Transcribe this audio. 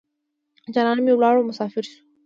جانان مې ولاړو مسافر شو.